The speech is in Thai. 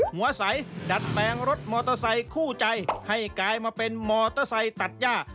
หัวใสดัดแปลงรถมอเตอร์ไซคู่ใจให้กลายมาเป็นมอเตอร์ไซค์ตัดย่า